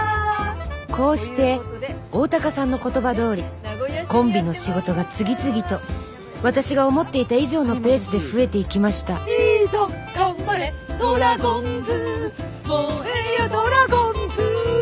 こうして大高さんの言葉どおりコンビの仕事が次々と私が思っていた以上のペースで増えていきました「いいぞがんばれドラゴンズ燃えよドラゴンズ！」